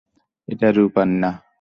এটা রূপার না।